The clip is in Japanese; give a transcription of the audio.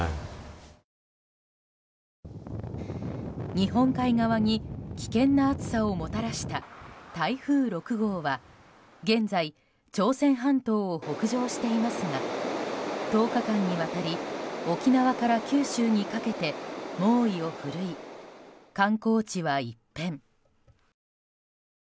日本海側に危険な暑さをもたらした台風６号は現在、朝鮮半島を北上していますが１０日間にわたり沖縄から九州にかけて猛威を振るい、観光地は一変。